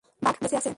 বাঘ বেঁচে আছে?